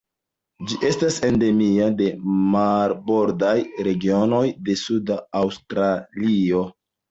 Ĝi estas endemia de marbordaj regionoj de suda Aŭstralio.